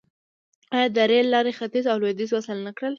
آیا د ریل لارې ختیځ او لویدیځ وصل نه کړل؟